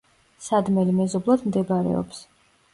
სადმელი მეზობლად მდებარეობს.